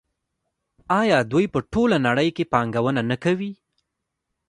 آیا دوی په ټوله نړۍ کې پانګونه نه کوي؟